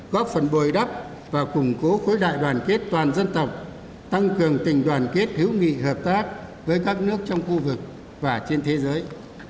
góp phần bồi đắp và củng cố khối đại đoàn kết toàn dân tộc tăng cường tình đoàn kết hữu nghị hợp tác với các nước trong khu vực và trên thế giới